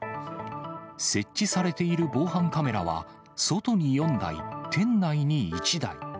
設置されている防犯カメラは、外に４台、店内に１台。